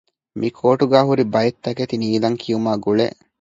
މިކޯޓުގައި ހުރި ބައެއްތަކެތި ނީލަންކިޔުމާގުޅޭ